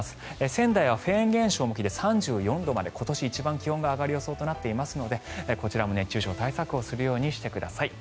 仙台はフェーン現象の影響で３４度今年一番気温が上がる予想となっていますのでこちらも熱中症対策をするようにしてください。